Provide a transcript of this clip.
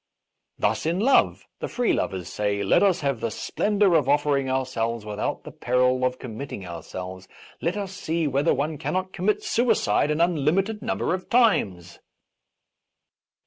Thus in love the free lovers say: " Let us have the splen dour of offering ourselves without the peril of committing ourselves ; let us see whether one cannot commit suicide an unlimited number of times."